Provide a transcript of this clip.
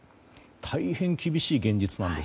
大変厳しい現実なんです。